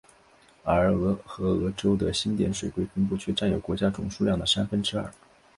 而俄亥俄州的星点水龟分布却占有国家总数量的三分之二。